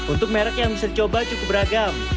untuk merek yang bisa dicoba cukup beragam